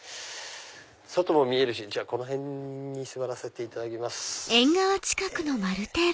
外も見えるしこの辺に座らせていただきます。